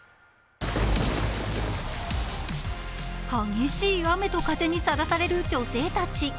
激しい雨と風にさらされる女性たち。